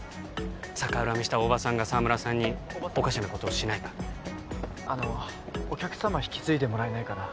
逆恨みした大庭さんが沢村さんにおかしなことをしないかあのお客様引き継いでもらえないかな？